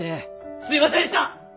すいませんでした！